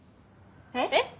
えっ？